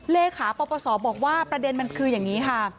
เลขาปรปศบอกว่าประเด็นมันคืออย่างนี้ค่ะ